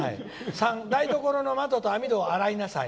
３、台所の窓と網戸を洗いなさい。